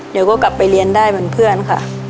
เดี๋ยวก็กลับไปเรียนได้เหมือนเพื่อนค่ะ